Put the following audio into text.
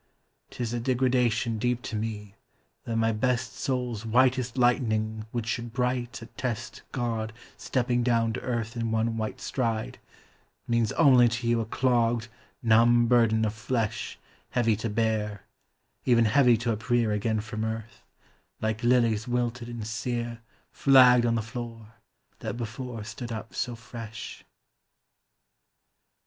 'Tis a degradation deep to me, that my best Soul's whitest lightning which should bright attest God stepping down to earth in one white stride, Means only to you a clogged, numb burden of flesh Heavy to bear, even heavy to uprear Again from earth, like lilies wilted and sere Flagged on the floor, that before stood up so fresh.